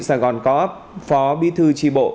sài gòn co op phó bí thư tri bộ